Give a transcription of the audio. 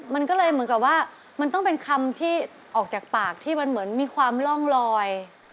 มันก็เลยเหมือนกับว่ามันต้องเป็นคำที่ออกจากปากที่มันเหมือนมีความร่องลอย